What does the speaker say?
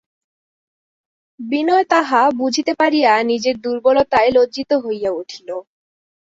বিনয় তাহা বুঝিতে পারিয়া নিজের দুর্বলতায় লজ্জিত হইয়া উঠিল।